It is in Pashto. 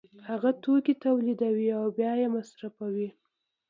هغه توکي تولیدوي او بیا یې مصرفوي